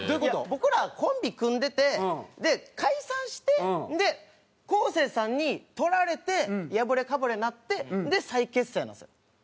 僕らコンビ組んでて解散して昴生さんにとられてやぶれかぶれになって再結成なんですよ。